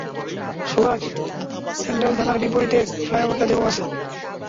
সুরাজ, central থানার বিপরীতের ফ্লাইওভারটাতে ও আছে।